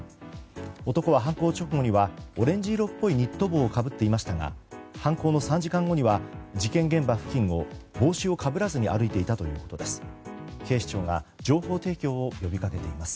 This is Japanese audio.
男は犯行直後にはオレンジ色っぽいニット帽をかぶっていましたが犯行の３時間後には事件現場付近を帽子をかぶらずに歩いていたということです。